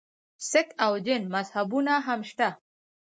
سک او جین مذهبونه هم شته.